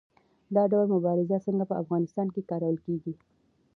دا ډول مبارزه څنګه په افغانستان کې کارول کیږي؟